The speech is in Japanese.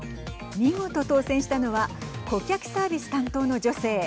見事、当せんしたのは顧客サービス担当の女性。